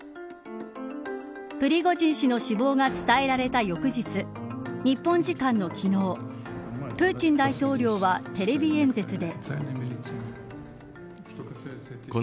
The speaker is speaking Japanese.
プリゴジン氏の死亡が伝えられた翌日日本時間の昨日プーチン大統領はテレビ演説で。